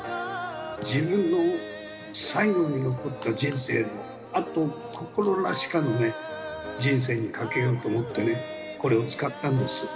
自分の最後に残った人生、あと心なしかのね、人生にかけようと思ってね、これを使ったんです。